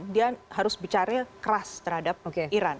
dia harus bicara keras terhadap iran